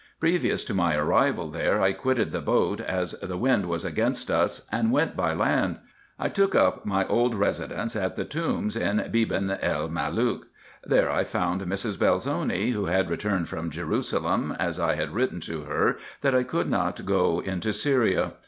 Previous to my arrival there, I quitted the boat, as the wind was against us, and went by land. I took up my old residence at the tombs, in Beban el Malook. There I found Mrs. Belzoni, who had returned from Jerusalem, as I had written to her that I could not go into Syria.